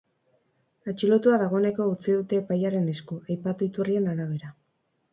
Atxilotua dagoeneko utzi dute epailearen esku, aipatu iturrien arabera.